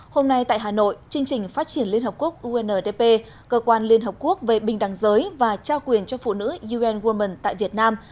hôm nay tại hà nội chương trình phát triển liên hợp quốc undp cơ quan liên hợp quốc về bình đẳng giới và trao quyền cho phụ nữ un women tại việt nam